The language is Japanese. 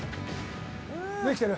できてる？